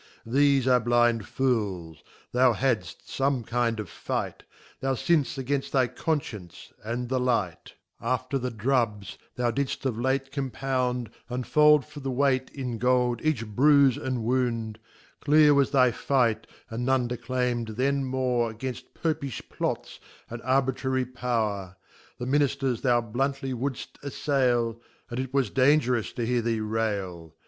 Thefeare blindFobls ^houhadftfome kind of fight, Thou finn'ft againft thy Confcience and the Light. t Oh imitatores fervum pecus .! After After the * drubs, thou didft of Tate compound, And fold for th weight in Gold each 'bruife & wound, Clear was thy fight, and none declaim'd then more *Gainft Fopijh Plots, and 'Arbitrary Power. The Minijters thou bluntly would ft" afTail, And it was dangerous to hear thee rail.